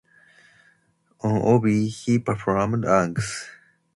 On "Oobi", he performed Angus.